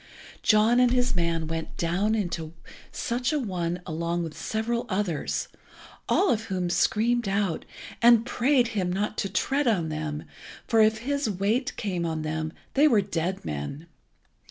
John and his man went down into such a one along with several others, all of whom screamed out, and prayed him not to tread on them, for if his weight came on them they were dead men.